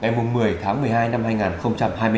ngày một mươi tháng một mươi hai năm hai nghìn hai mươi bốn